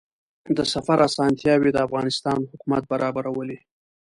د سفر اسانتیاوې د افغانستان حکومت برابرولې.